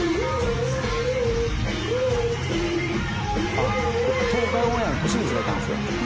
「あっ東海オンエアのとしみつだったんですよ」